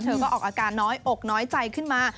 ก็ออกอาการน้อยอกน้อยใจขึ้นมา